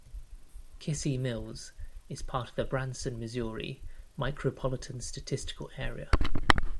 Kissee Mills is part of the Branson, Missouri Micropolitan Statistical Area.